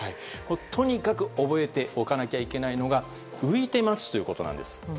とにかく覚えておかなきゃいけないのが浮いて待つということです。